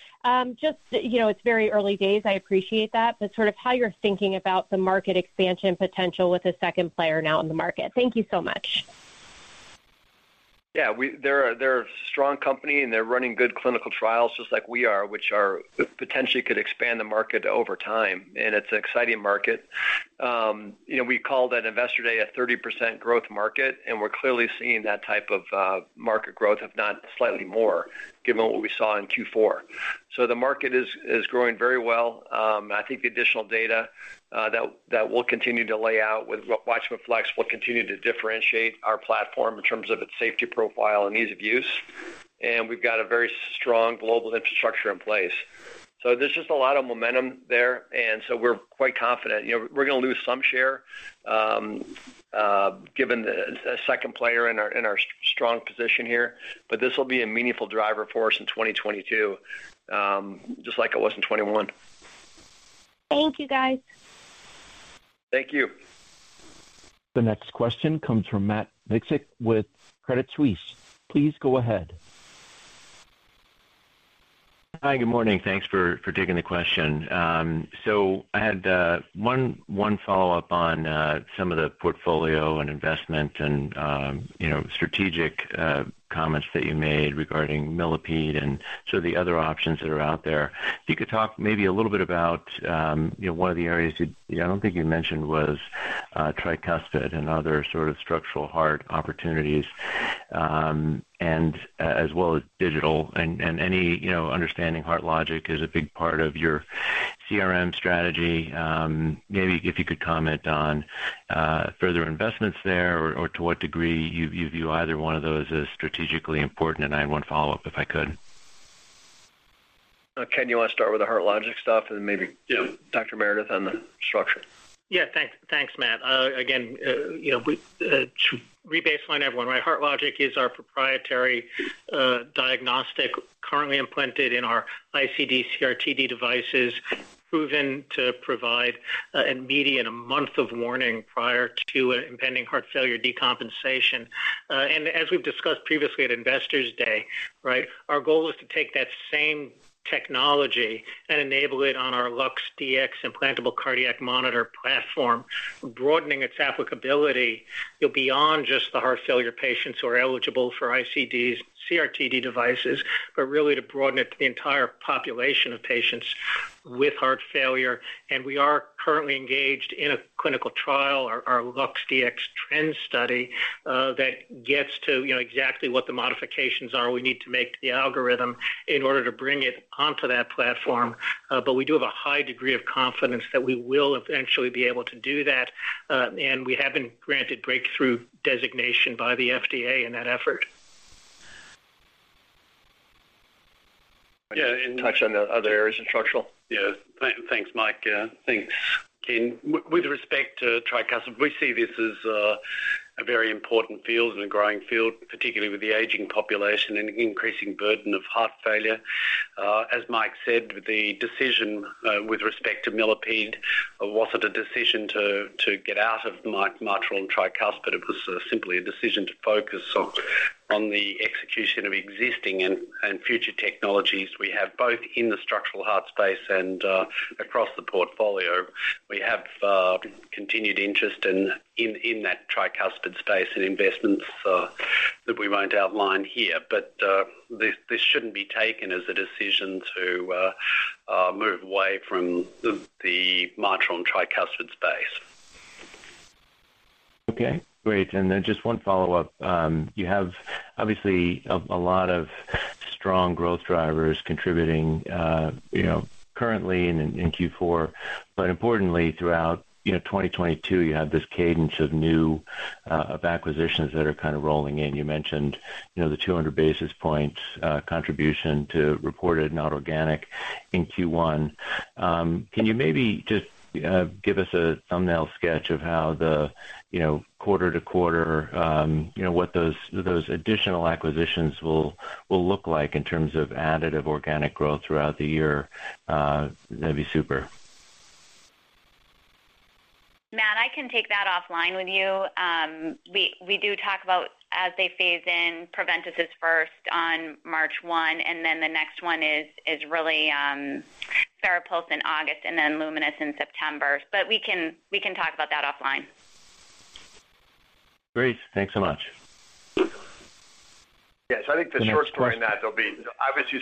Just, you know, it's very early days, I appreciate that, but sort of how you're thinking about the market expansion potential with a second player now in the market. Thank you so much. Yeah. They're a strong company, and they're running good clinical trials just like we are, potentially could expand the market over time. It's an exciting market. You know, we called at Investor Day a 30% growth market, and we're clearly seeing that type of market growth, if not slightly more, given what we saw in Q4. The market is growing very well. I think the additional data that we'll continue to lay out with WATCHMAN FLX will continue to differentiate our platform in terms of its safety profile and ease of use. We've got a very strong global infrastructure in place. There's just a lot of momentum there, and we're quite confident. You know, we're gonna lose some share, given the second player in our strong position here. This will be a meaningful driver for us in 2022, just like it was in 2021. Thank you, guys. Thank you. The next question comes from Matt Miksic with Credit Suisse. Please go ahead. Hi, good morning. Thanks for taking the question. So I had one follow-up on some of the portfolio and investment and, you know, strategic comments that you made regarding Millipede and sort of the other options that are out there. If you could talk maybe a little bit about, you know, one of the areas I don't think you mentioned was, tricuspid and other sort of structural heart opportunities, and as well as digital. Any, you know, understanding HeartLogic is a big part of your CRM strategy. Maybe if you could comment on, further investments there or, to what degree you view either one of those as strategically important. I have one follow-up, if I could. Ken, you want to start with the HeartLogic stuff and maybe. Yeah. Dr. Meredith on the structure? Thanks, Matt. Again, you know, to rebaseline everyone, right? HeartLogic is our proprietary diagnostic currently implanted in our ICD/CRT-D devices, proven to provide a median of a month of warning prior to an impending heart failure decompensation. As we've discussed previously at Investors Day, right? Our goal is to take that same technology and enable it on our LUX-Dx Implantable Cardiac Monitor platform, broadening its applicability beyond just the heart failure patients who are eligible for ICDs and CRT-D devices, but really to broaden it to the entire population of patients with heart failure. We are currently engaged in a clinical trial, our LUX-Dx TRENDS study, that gets to, you know, exactly what the modifications are we need to make to the algorithm in order to bring it onto that platform. We do have a high degree of confidence that we will eventually be able to do that. We have been granted breakthrough designation by the FDA in that effort. Yeah. Touch on the other areas in structural. Yeah. Thanks, Mike. Thanks, Ken. With respect to tricuspid, we see this as a very important field and a growing field, particularly with the aging population and increasing burden of heart failure. As Mike said, the decision with respect to Millipede wasn't a decision to get out of mitral and tricuspid. It was simply a decision to focus on the execution of existing and future technologies we have both in the structural heart space and across the portfolio. We have continued interest in that tricuspid space and investments that we won't outline here. This shouldn't be taken as a decision to move away from the mitral and tricuspid space. Okay, great. Just one follow-up. You have obviously a lot of strong growth drivers contributing currently in Q4. Importantly, throughout 2022, you have this cadence of new acquisitions that are kind of rolling in. You mentioned the 200 basis points contribution to reported not organic in Q1. Can you maybe just give us a thumbnail sketch of how the quarter-to-quarter what those additional acquisitions will look like in terms of additive organic growth throughout the year? That'd be super. Matt, I can take that offline with you. We do talk about as they phase in Preventice is first on March 1, and then the next one is really FARAPULSE in August and then Lumenis in September. We can talk about that offline. Great. Thanks so much. Yes. I think the short story is that there'll be obviously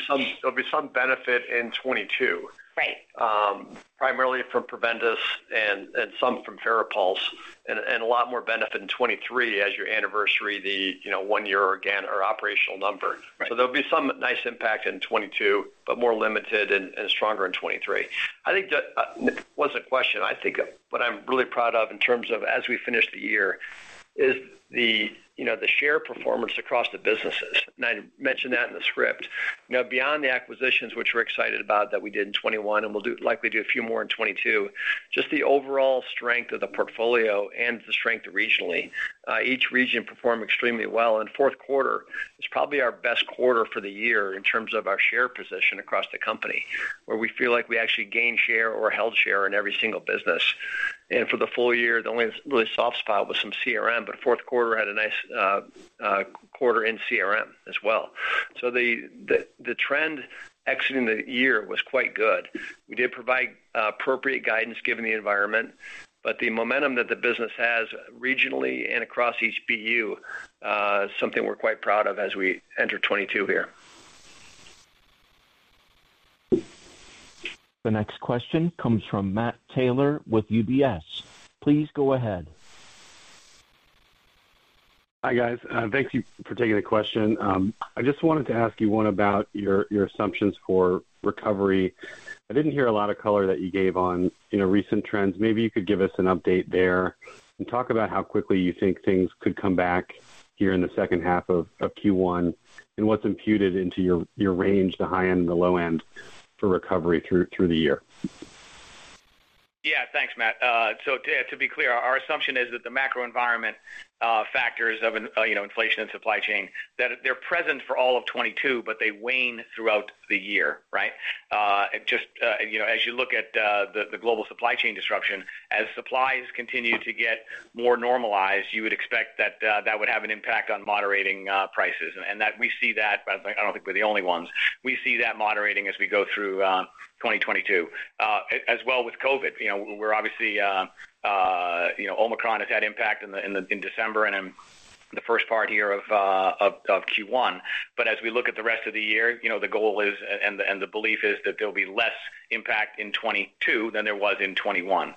some benefit in 2022. Right. Primarily from Preventice and some from FARAPULSE, and a lot more benefit in 2023 as you anniversary the, you know, one year again our operational numbers. Right. There'll be some nice impact in 2022, but more limited and stronger in 2023. I think that was a question. I think what I'm really proud of in terms of as we finish the year. It's the, you know, the share performance across the businesses, and I mentioned that in the script. You know, beyond the acquisitions which we're excited about that we did in 2021, and we'll likely do a few more in 2022, just the overall strength of the portfolio and the strength regionally, each region performed extremely well. Fourth quarter was probably our best quarter for the year in terms of our share position across the company, where we feel like we actually gained share or held share in every single business. For the full year, the only really soft spot was some CRM, but fourth quarter had a nice quarter in CRM as well. The trend exiting the year was quite good. We did provide appropriate guidance given the environment, but the momentum that the business has regionally and across each BU is something we're quite proud of as we enter 2022 here. The next question comes from Matt Taylor with UBS. Please go ahead. Hi, guys. Thank you for taking the question. I just wanted to ask you one question about your assumptions for recovery. I didn't hear a lot of color that you gave on, you know, recent trends. Maybe you could give us an update there and talk about how quickly you think things could come back here in the second half of Q1 and what's imputed into your range, the high end and the low end for recovery through the year. Yeah. Thanks, Matt. So to be clear, our assumption is that the macro environment factors of inflation and supply chain that they're present for all of 2022, but they wane throughout the year, right? Just as you look at the global supply chain disruption, as supplies continue to get more normalized, you would expect that that would have an impact on moderating prices. That we see that, but I don't think we're the only ones. We see that moderating as we go through 2022. As well with COVID. Omicron has had impact in December and in the first part here of Q1. As we look at the rest of the year, you know, the goal is, and the belief is that there'll be less impact in 2022 than there was in 2021.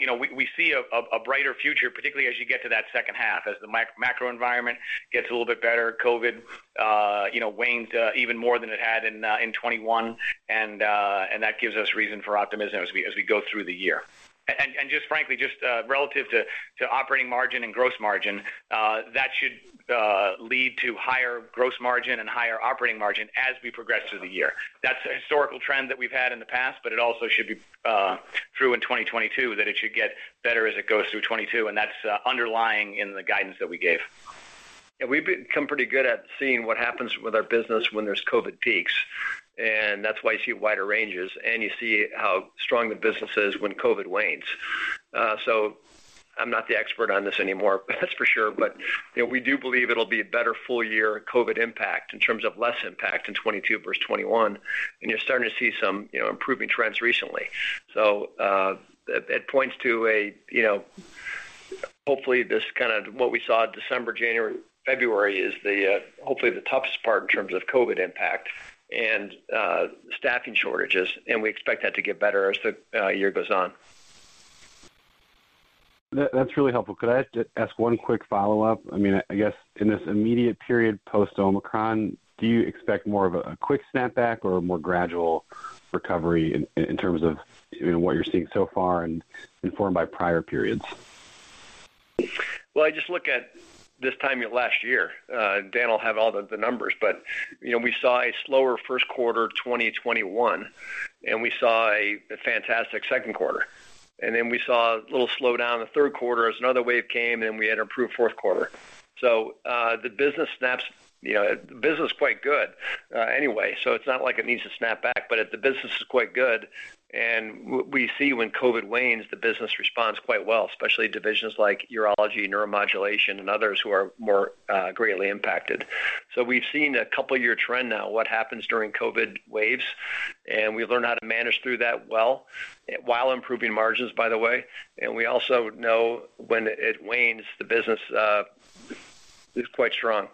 You know, we see a brighter future, particularly as you get to that second half. As the macro environment gets a little bit better, COVID wanes even more than it had in 2021, and that gives us reason for optimism as we go through the year. Just frankly, relative to operating margin and gross margin, that should lead to higher gross margin and higher operating margin as we progress through the year. That's a historical trend that we've had in the past, but it also should be true in 2022, that it should get better as it goes through 2022, and that's underlying in the guidance that we gave. Yeah. We've become pretty good at seeing what happens with our business when there's COVID peaks, and that's why you see wider ranges, and you see how strong the business is when COVID wanes. I'm not the expert on this anymore, that's for sure. You know, we do believe it'll be a better full year COVID impact in terms of less impact in 2022 versus 2021, and you're starting to see some, you know, improving trends recently. It points to a, you know, hopefully this kinda what we saw December, January, February is the hopefully the toughest part in terms of COVID impact and staffing shortages, and we expect that to get better as the year goes on. That's really helpful. Could I just ask one quick follow-up? I mean, I guess in this immediate period post Omicron, do you expect more of a quick snapback or a more gradual recovery in terms of, you know, what you're seeing so far and informed by prior periods? I just look at this time last year. Dan will have all the numbers. You know, we saw a slower first quarter 2021, and we saw a fantastic second quarter. We saw a little slowdown in the third quarter as another wave came, and we had improved fourth quarter. You know, the business is quite good, anyway, so it's not like it needs to snap back. The business is quite good, and we see when COVID wanes, the business responds quite well, especially divisions like urology, neuromodulation, and others who are more greatly impacted. We've seen a couple year trend now, what happens during COVID waves, and we learn how to manage through that well, while improving margins, by the way. We also know when it wanes, the business is quite strong.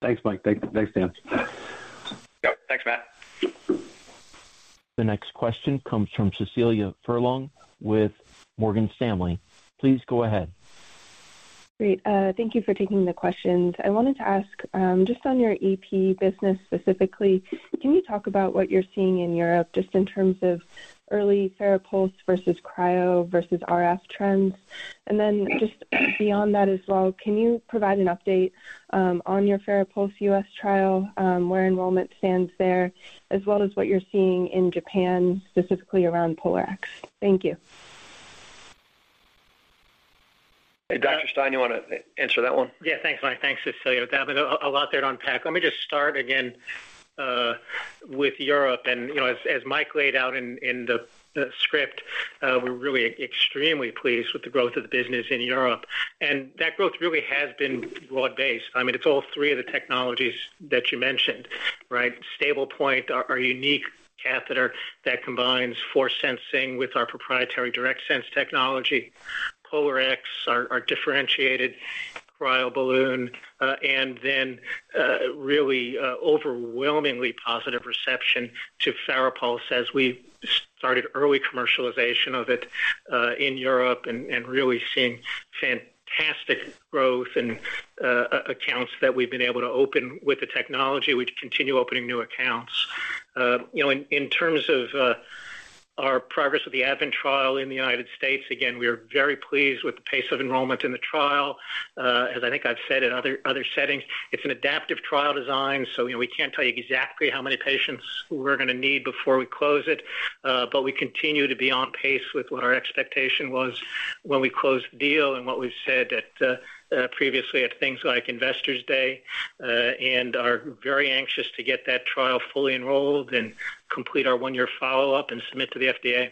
Thanks, Mike. Thanks, Dan. Yep. Thanks, Matt. The next question comes from Cecilia Furlong with Morgan Stanley. Please go ahead. Great. Thank you for taking the questions. I wanted to ask, just on your EP business specifically, can you talk about what you're seeing in Europe just in terms of early FARAPULSE versus Cryo versus RF trends? And then just beyond that as well, can you provide an update, on your FARAPULSE U.S. trial, where enrollment stands there, as well as what you're seeing in Japan, specifically around POLARx? Thank you. Hey, Dr. Stein, you wanna answer that one? Yeah. Thanks, Mike. Thanks, Cecilia. There have been a lot there to unpack. Let me just start again with Europe. You know, as Mike laid out in the script, we're really extremely pleased with the growth of the business in Europe. That growth really has been broad-based. I mean, it's all three of the technologies that you mentioned, right? StablePoint, our unique catheter that combines force sensing with our proprietary DIRECTSENSE technology. POLARx, our differentiated cryo balloon. Then really overwhelmingly positive reception to FARAPULSE as we started early commercialization of it in Europe and really seeing fantastic growth and accounts that we've been able to open with the technology. We continue opening new accounts. In terms of our progress with the ADVENT trial in the United States, again, we are very pleased with the pace of enrollment in the trial. As I think I've said in other settings, it's an adaptive trial design, so we can't tell you exactly how many patients we're gonna need before we close it. But we continue to be on pace with what our expectation was when we closed the deal and what we've said previously at things like Investors Day, and are very anxious to get that trial fully enrolled and complete our one-year follow-up and submit to the FDA.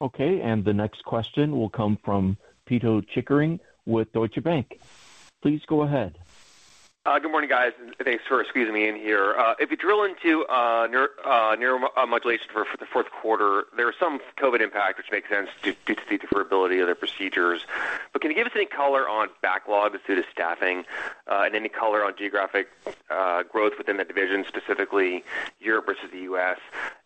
Okay. The next question will come from Pito Chickering with Deutsche Bank. Please go ahead. Good morning, guys. Thanks for squeezing me in here. If you drill into neuromodulation for the fourth quarter, there are some COVID impact, which makes sense due to the deferability of their procedures. Can you give us any color on backlog due to staffing, and any color on geographic growth within the division, specifically Europe versus the U.S.?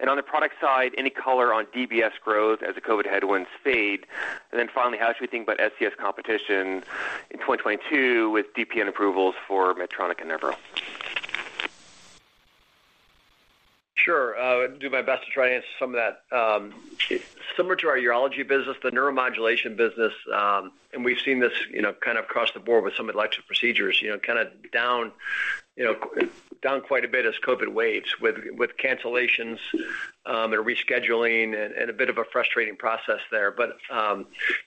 On the product side, any color on DBS growth as the COVID headwinds fade? Then finally, how should we think about SCS competition in 2022 with DPN approvals for Medtronic and Nevro? Sure. I'll do my best to try and answer some of that. Similar to our Urology business, the Neuromodulation business, and we've seen this, you know, kind of across the board with some elective procedures, you know, kinda down, you know, down quite a bit as COVID waves with cancellations, and rescheduling and a bit of a frustrating process there.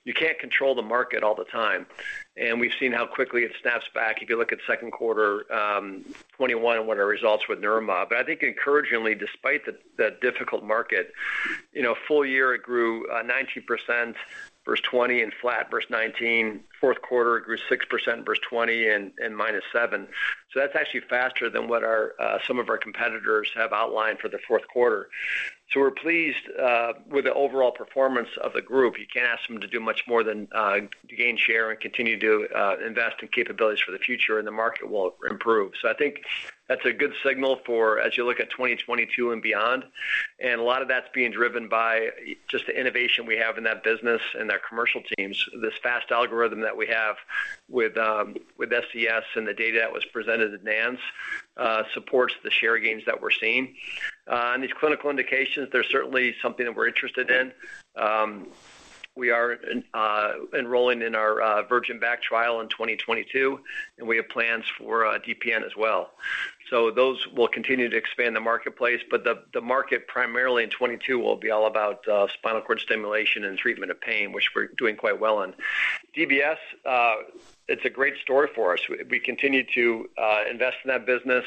You can't control the market all the time. We've seen how quickly it snaps back if you look at second quarter 2021 and what our results with Neuromod. I think encouragingly, despite the difficult market, you know, full year it grew 19% versus 2020 and flat versus 2019. Fourth quarter it grew 6% versus 2020 and -7%. That's actually faster than what some of our competitors have outlined for the fourth quarter. We're pleased with the overall performance of the group. You can't ask them to do much more than gain share and continue to invest in capabilities for the future, and the market will improve. I think that's a good signal going forward as you look at 2022 and beyond, and a lot of that's being driven by just the innovation we have in that business and their commercial teams. This fast algorithm that we have with SCS and the data that was presented at NANS supports the share gains that we're seeing. These clinical indications, they're certainly something that we're interested in. We are enrolling in our SOLIS trial in 2022, and we have plans for DPN as well. Those will continue to expand the marketplace, but the market primarily in 2022 will be all about spinal cord stimulation and treatment of pain, which we're doing quite well in. DBS, it's a great story for us. We continue to invest in that business.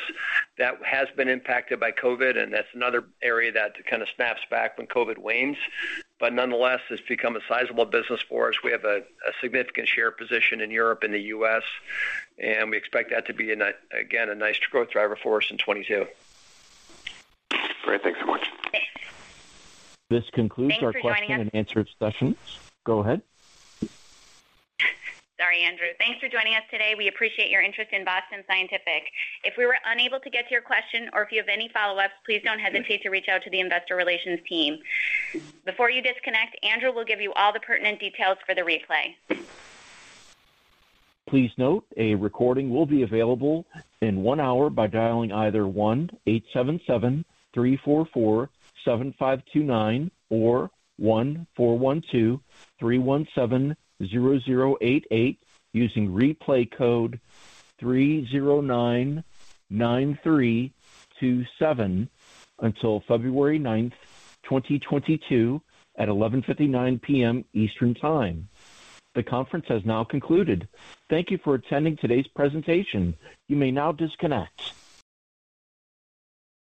That has been impacted by COVID, and that's another area that kinda snaps back when COVID wanes. Nonetheless, it's become a sizable business for us. We have a significant share position in Europe and the U.S., and we expect that to be again a nice growth driver for us in 2022. Great. Thanks so much. This concludes our question. Thanks for joining us. question-and-answer session. Go ahead. Sorry, Andrew. Thanks for joining us today. We appreciate your interest in Boston Scientific. If we were unable to get to your question or if you have any follow-ups, please don't hesitate to reach out to the investor relations team. Before you disconnect, Andrew will give you all the pertinent details for the replay. Please note a recording will be available in one hour by dialing either 1-877-344-7529 or 1-412-317-0088 using replay code 3099327 until February 9, 2022 at 11:59 P.M. Eastern Time. The conference has now concluded. Thank you for attending today's presentation. You may now disconnect.